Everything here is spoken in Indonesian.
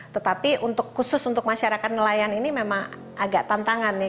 tetapi khusus untuk masyarakat nelayan ini memang agak tantangan nih